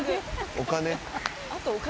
お金？